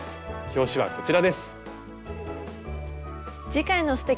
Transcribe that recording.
表紙はこちらです。